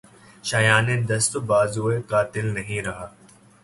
شایانِ دست و بازوےٴ قاتل نہیں رہا